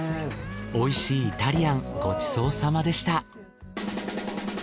おいしいイタリアンごちそうさまでした。